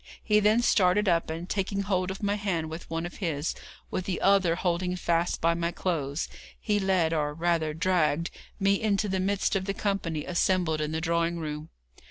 He then started up, and taking hold of my hand with one of his, with the other holding fast by my clothes, he led, or rather dragged, me into the midst of the company assembled in the drawing room.